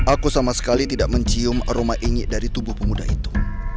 aku sama sekali tidak mencium aroma ini dari tubuh pemuda itu